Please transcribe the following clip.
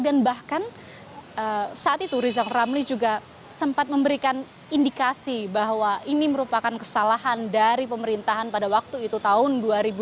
dan bahkan saat itu rizal ramli juga sempat memberikan indikasi bahwa ini merupakan kesalahan dari pemerintahan pada waktu itu tahun dua ribu dua dua ribu empat